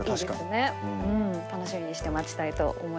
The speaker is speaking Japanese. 楽しみにして待ちたいと思います。